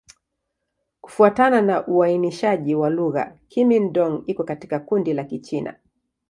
Kufuatana na uainishaji wa lugha, Kimin-Dong iko katika kundi la Kichina.